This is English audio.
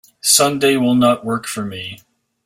Sunday will not work for me.